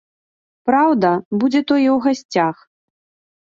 Праўда, будзе тое ў гасцях.